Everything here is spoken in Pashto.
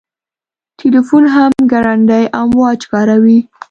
تلیفون هم ګړندي امواج کاروي.